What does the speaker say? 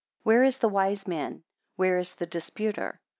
8 Where is the wise man? Where is the disputer?